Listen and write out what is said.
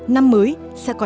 năm mới sẽ có nhạc